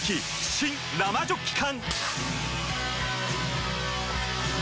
新・生ジョッキ缶！